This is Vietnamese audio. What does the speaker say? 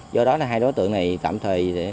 do đó là hai đối tượng này tạm thời